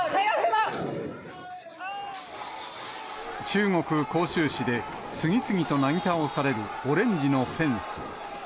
中国・広州市で、次々となぎ倒されるオレンジのフェンス。